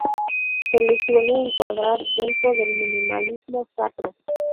Se le suele encuadrar dentro del minimalismo sacro.